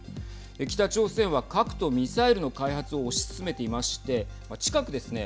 北朝鮮は、核とミサイルの開発を推し進めていまして近くですね